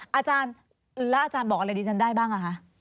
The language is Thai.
แล้วอาจารย์บอกอะไรดีชั้นได้บ้าง